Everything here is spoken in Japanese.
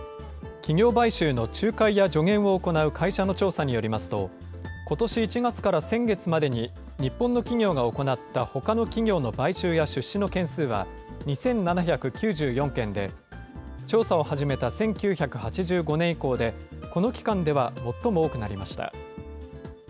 企業買収の仲介や助言を行う会社の調査によりますと、ことし１月から先月までに日本の企業が行ったほかの企業の買収や出資の件数は２７９４件で、調査を始めた１９８５年以降でこの期間では最も多くなりました。